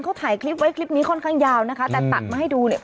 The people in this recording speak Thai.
เขาถ่ายคลิปไว้คลิปนี้ค่อนข้างยาวนะคะแต่ตัดมาให้ดูเนี่ย